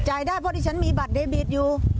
จ่ายได้เพราะฉันมีบัตรไดบีรที่อยู่